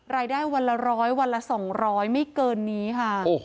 รายได้วันละ๑๐๐วันละ๒๐๐ไม่เกินนี้ค่ะ